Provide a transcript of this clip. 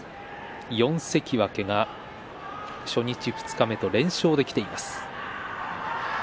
４関脇が初日、二日目と連勝できています。